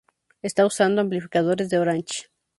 Está usando amplificadores de Orange.